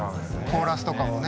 コーラスとかもね。